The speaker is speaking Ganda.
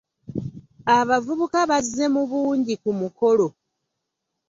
Abavubuka bazze mu bungi ku mukolo.